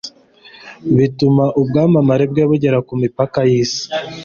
bituma ubwamamare bwe bugera ku mipaka y'isi